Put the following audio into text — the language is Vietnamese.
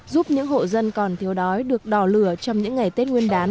giúp những hộ dân còn thiếu đói được đỏ lửa trong những ngày tết nguyên đán